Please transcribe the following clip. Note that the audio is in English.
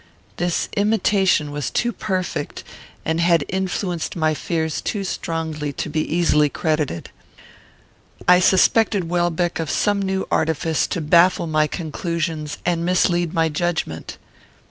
This imitation was too perfect, and had influenced my fears too strongly, to be easily credited. I suspected Welbeck of some new artifice to baffle my conclusions and mislead my judgment.